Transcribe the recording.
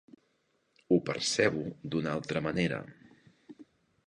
Ho percebo d'una altra manera.